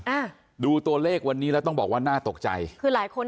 อ่าดูตัวเลขวันนี้แล้วต้องบอกว่าน่าตกใจคือหลายคน